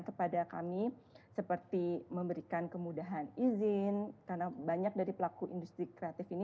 kepada kami seperti memberikan kemudahan izin karena banyak dari pelaku industri kreatif ini